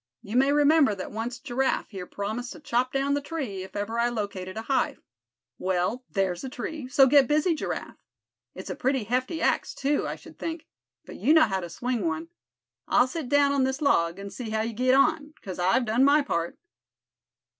You may remember that once Giraffe here promised to chop down the tree, if ever I located a hive. Well, there's the tree; so get busy, Giraffe. It's a pretty hefty axe, too, I should think; but you know how to swing one. I'll sit down on this log, and see how you get on; because I've done my part."